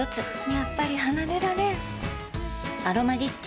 やっぱり離れられん「アロマリッチ」